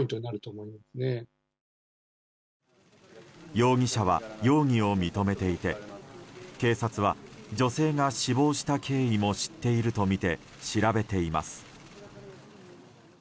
容疑者は容疑を認めていて警察は、女性が死亡した経緯も知っているとみて調べています。